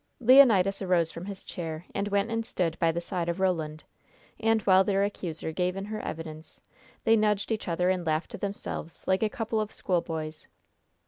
Leonidas arose from his chair, and went and stood by the side of Roland, and while their accuser gave in her evidence they nudged each other and laughed to themselves like a couple of schoolboys.